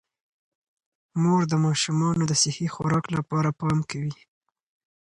مور د ماشومانو د صحي خوراک لپاره پام کوي